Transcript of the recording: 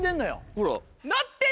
ほら。